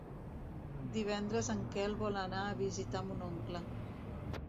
Divendres en Quel vol anar a visitar mon oncle.